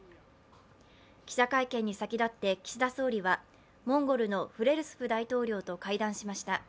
記者会見に先立って岸田総理はモンゴルのフレルスフ大統領と会談しました。